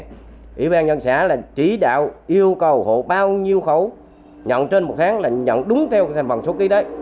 ủy ban nhân xã là chỉ đạo yêu cầu hộ bao nhiêu khẩu nhận trên một tháng là nhận đúng theo thành bằng số ký đấy